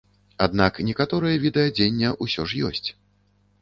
Аднак некаторыя віды адзення ўсё ж ёсць.